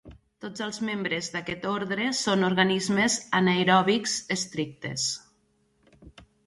Tots els membres d'aquest ordre són organismes anaeròbics estrictes.